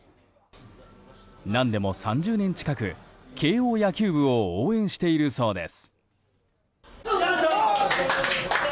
何でも３０年近く慶應野球部を応援しているそうです。